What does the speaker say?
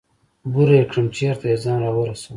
بوره يې کړم چېرته يې ځان راورسوه.